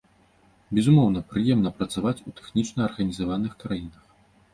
Безумоўна, прыемна працаваць у тэхнічна арганізаваных краінах.